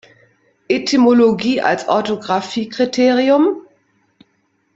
Etymologie als Orthographiekriterium?